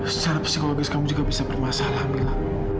secara psikologis kamu juga bisa bermasalah alhamdulillah